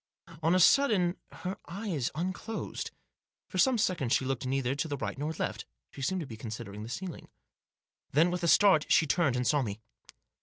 On a sudden her eyes unclosed. For some seconds she looked neither to the right nor left. She seemed to be considering the ceiling. Then, with a start, she turned and saw me.